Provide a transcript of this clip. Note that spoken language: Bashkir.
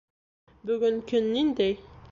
Бөгөн көн ниндәй?